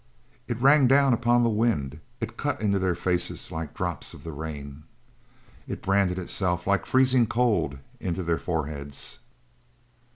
It rang down upon the wind it cut into their faces like the drops of the rain; it branded itself like freezing cold into their foreheads.